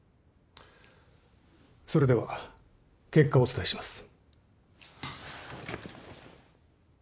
それでは結果をお伝えします。